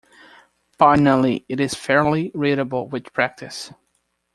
Finally, it is fairly readable with practice.